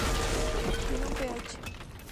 Tiene un Ph.